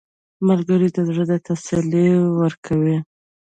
ملګری د زړه ته تسلي ورکوي